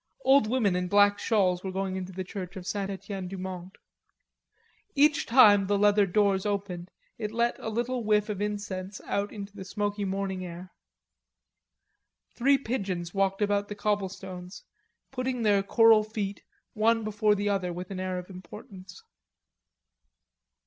Old women in black shawls were going into the church of St. Etienne du Mont. Each time the leather doors opened it let a little whiff of incense out into the smoky morning air. Three pigeons walked about the cobblestones, putting their coral feet one before the other with an air of importance.